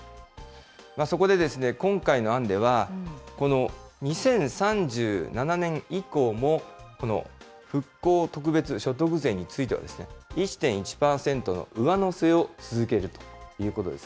そこで今回の案では、この２０３７年以降も、この復興特別所得税については１．１％の上乗せを続けるということです。